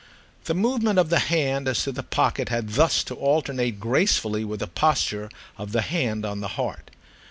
The movement of the hand as to the pocket had thus to alternate gracefully with the posture of the hand on the heart.